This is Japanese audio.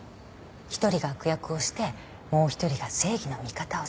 一人が悪役をしてもう一人が正義の味方をする。